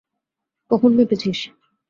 কখন মেপেছিস?